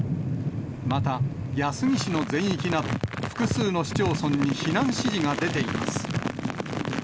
また安来市の全域など、複数の市町村に避難指示が出ています。